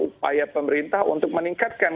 upaya pemerintah untuk meningkatkan